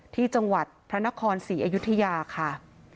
ที่จังหวัดพระนครศรีอยุธยาค่ะ